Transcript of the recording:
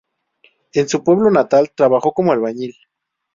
En su pueblo natal, trabajó como albañil.